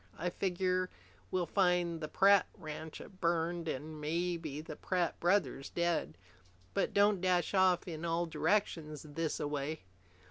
I figure we'll find the Pratt ranch burned an' maybe the Pratt brothers dead. But don't dash off in all directions thisaway."